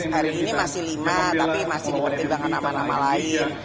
hari ini masih lima tapi masih dipertimbangkan nama nama lain